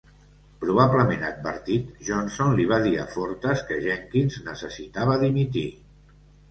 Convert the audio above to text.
Probablement advertit, Johnson li va dir a Fortas que Jenkins necessitava dimitir.